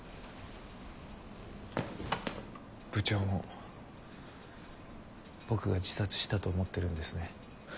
部長も僕が自殺したと思ってるんですね。